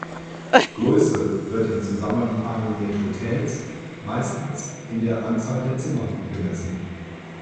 Größe wird im Zusammenhang mit Hotels meistens in der Anzahl der Zimmer gemessen.